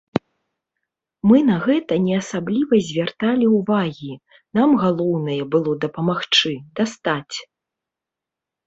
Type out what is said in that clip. Мы на гэта не асабліва звярталі ўвагі, нам галоўнае было дапамагчы, дастаць.